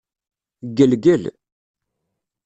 Ggelgel.